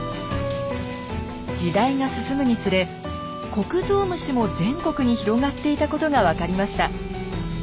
時代が進むにつれコクゾウムシも全国に広がっていたことが分かりました。